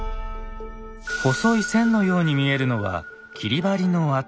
細い線のように見えるのは切り貼りの跡。